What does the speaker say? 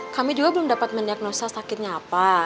kami juga belum dapat mendiagnosa sakitnya apa